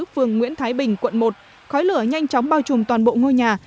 phường nguyễn thái bình quận một khói lửa nhanh chóng bao trùm toàn bộ ngôi nhà